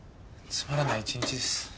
つまらない１日です。